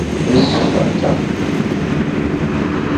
Sughʼé zame,